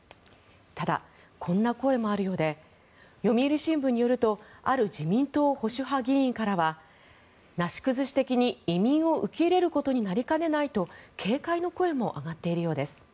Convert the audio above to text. ただ、こんな声もあるようで読売新聞によるとある自民党保守派議員からはなし崩し的に移民を受け入れることになりかねないと警戒の声も上がっているようです。